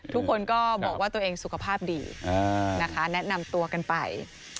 ทุกคนก็บอกว่าตัวเองสุขภาพดีนะคะแนะนำตัวกันไป